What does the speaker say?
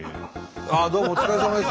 どうもお疲れさまです